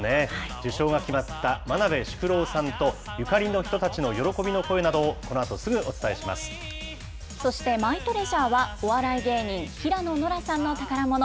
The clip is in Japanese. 受賞が決まった真鍋淑郎さんとゆかりの人たちの喜びの声などを、そしてマイトレジャーは、お笑い芸人、平野ノラさんの宝もの。